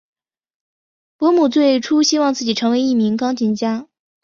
伯姆最初希望自己成为一名钢琴家。